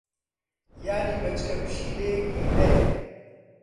یانی بەچکە پشیلەیەکی ھەیە.